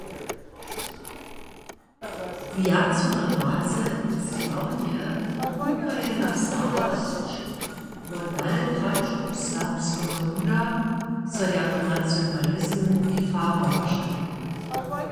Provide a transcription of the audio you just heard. Wjacore razy zjawnje wuprajena starosć wo daletraću serbskeho luda so jako nacionalizm difamowaše.